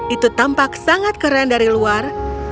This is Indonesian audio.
itu tampak sangat keren dari luar